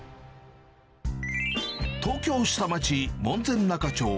東京下町、門前仲町。